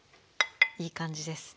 いい感じです。